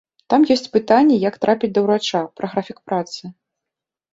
Там ёсць пытанні, як трапіць да ўрача, пра графік працы.